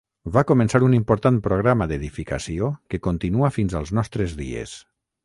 Va començar un important programa d'edificació que continua fins als nostres dies.